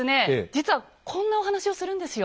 実はこんなお話をするんですよ。